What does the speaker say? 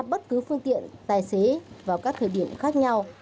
bất cứ phương tiện tài xế vào các thời điểm khác nhau